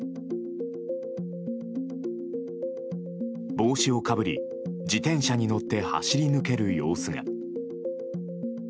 帽子をかぶり、自転車に乗って走り抜ける様子が。